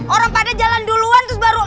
orang pada jalan duluan terus baru